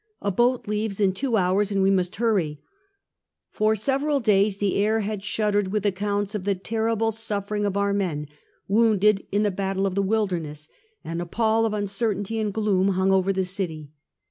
A boat leaves in two hours, and we must hurry !" Tor several days the air had shuddered with ac counts of the terrible suffering of our men, wounded in the battle of the "Wilderness ; and a pall of uncer tainty and gloom hung over the city.